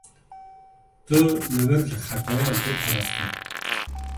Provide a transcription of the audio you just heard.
Tu li vir ji xetereyan tê parastin.